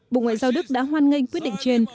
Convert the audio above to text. bộ ngoại giao đức đã hoan nghênh quyết định trên